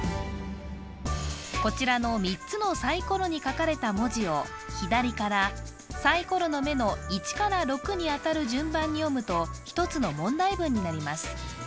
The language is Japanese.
こちらの３つのサイコロに書かれた文字を左からサイコロの目の１から６にあたる順番に読むと１つの問題文になります